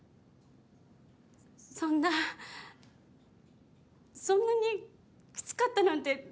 そんなそんなにきつかったなんて全然。